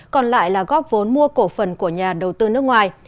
còn lại là góp vốn mua cổ phần của nhà đầu tư nước ngoài